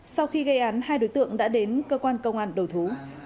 cái án hai đối tượng đã đến cơ quan công an đổi thú